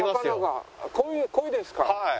はい。